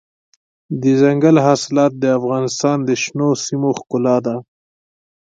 دځنګل حاصلات د افغانستان د شنو سیمو ښکلا ده.